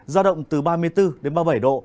giao động từ ba mươi bốn đến ba mươi bảy độ